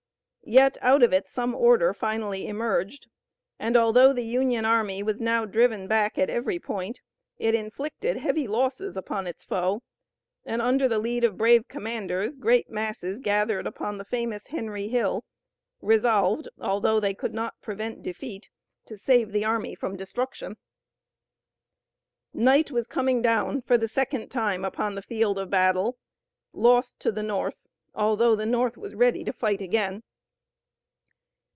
Yet out of it some order finally emerged, and although the Union army was now driven back at every point it inflicted heavy losses upon its foe, and under the lead of brave commanders great masses gathered upon the famous Henry Hill, resolved, although they could not prevent defeat, to save the army from destruction. Night was coming down for the second time upon the field of battle, lost to the North, although the North was ready to fight again.